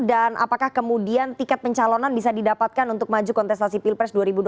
dan apakah kemudian tiket pencalonan bisa didapatkan untuk maju kontestasi pilpres dua ribu dua puluh empat